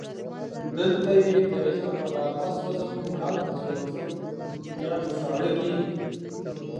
دلته یې د هجر په غارمه سوځم هلته چې ورځم بیا مې ساړه کېږي